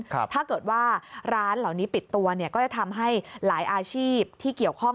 ถ้าเกิดว่าร้านเหล่านี้ปิดตัวเนี่ยก็จะทำให้หลายอาชีพที่เกี่ยวข้อง